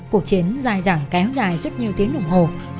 cuộc chiến dài dẳng kéo dài rất nhiều tiếng đồng hồ